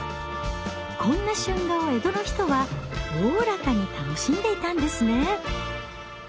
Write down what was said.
こんな春画を江戸の人はおおらかに楽しんでいたんですね。